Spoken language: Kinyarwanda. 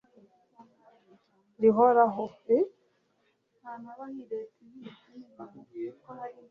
rihoraho